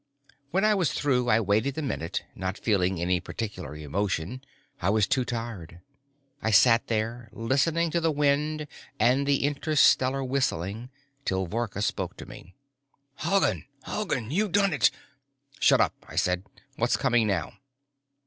When I was through, I waited a minute, not feeling any particular emotion. I was too tired. I sat there, listening to the wind and the interstellar whistling, till Vorka spoke to me. "Halgan! Halgan, you've done it!" "Shut up," I said. "What's coming now?"